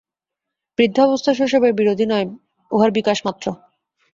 বৃদ্ধাবস্থা শৈশবের বিরোধী নয়, উহার বিকাশমাত্র।